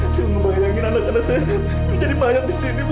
saya mau ngebayangin anak anak saya menjadi bayang di sini ibu